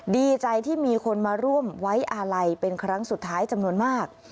ดีใจที่มีคนมาร่วมไว้อาลัยเป็นครั้งสุดท้ายจำนวนมาก